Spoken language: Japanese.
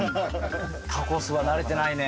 タコスは慣れてないね。